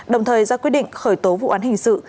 đồng thời ra quyết định khởi tố vụ án hình sự